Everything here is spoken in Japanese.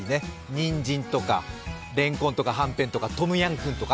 にんじんとか、れんこんとかはんぺんとかトムヤンクンとか！